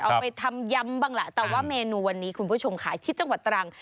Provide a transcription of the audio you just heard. เอาไปทำยำบ้างแหละแต่ว่าเมนูวันนี้คุณผู้ชมขายที่จังหวัดตรัง